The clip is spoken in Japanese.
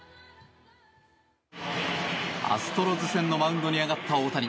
アストロズ戦のマウンドに上がった大谷。